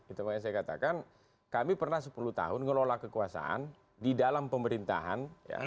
itu makanya saya katakan kami pernah sepuluh tahun ngelola kekuasaan di dalam pemerintahan